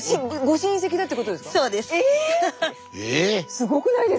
すごくないですか？